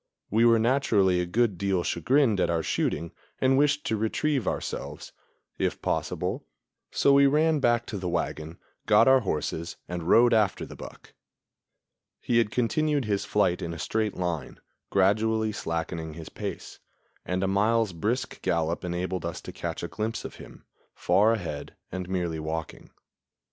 We were naturally a good deal chagrined at our shooting and wished to retrieve ourselves, if possible; so we ran back to the wagon, got our horses and rode after the buck. He had continued his flight in a straight line, gradually slackening his pace, and a mile's brisk gallop enabled us to catch a glimpse of him, far ahead and merely walking.